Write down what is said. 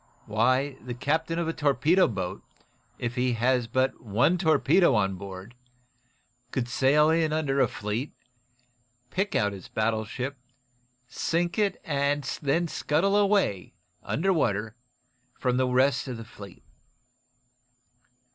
Why, the captain of a torpedo boat, if he has but one torpedo on board, could sail in under a fleet, pick out his battleship, sink it and then scuttle away, under water, from the rest of the enemy's fleet."